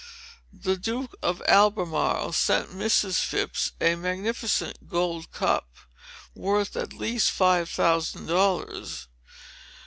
The Duke of Albemarle sent Mrs. Phips a magnificent gold cup, worth at least five thousand dollars.